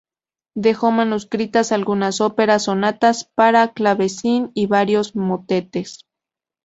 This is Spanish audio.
Dejó manuscritas algunas óperas, sonatas para clavecín y varios motetes.